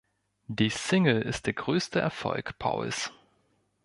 Die Single ist der größte Erfolg Pauls.